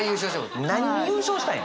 何に優勝したんや？